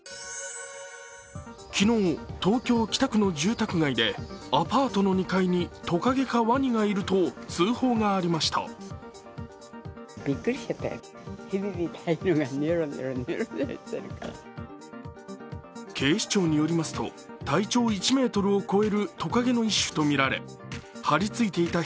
昨日、東京・北区の住宅街でアパートの２階にトカゲかワニがいると通報がありました。